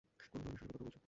কোন ধরনের সুযোগের কথা বলছো?